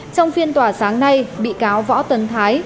trong phiên tòa sáng nay bị cáo võ tấn thái